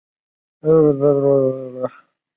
废帝溥仪追谥文慎。